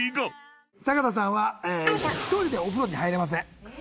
坂田さんは１人でお風呂に入れません。